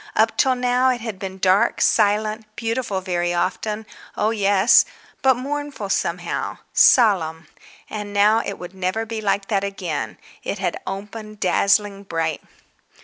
Up till now it had been dark, silent, beautiful very often—oh yes—but mournful somehow. Solemn. And now it would never be like that again—it had opened dazzling bright.